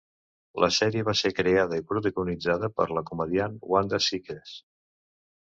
La sèrie va ser creada i protagonitzada per la comediant Wanda Sykes.